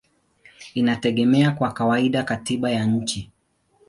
inategemea kwa kawaida katiba ya nchi.